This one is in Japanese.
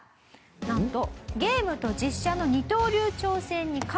なんと。